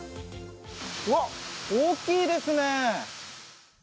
うわっ、大きいですね。